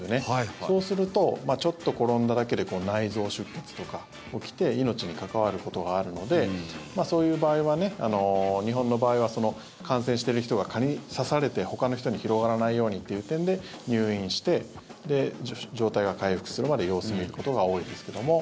そうするとちょっと転んだだけで内臓出血とか起きて命に関わることがあるのでそういう場合は、日本の場合は感染している人が蚊に刺されてほかの人に広がらないようにっていう点で入院して、状態が回復するまで様子を見ることが多いですけど。